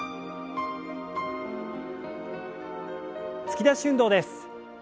突き出し運動です。